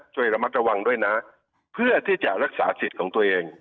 ช่วยระมัดระวังด้วยนะเพื่อที่จะรักษาสิทธิ์ของตัวเอง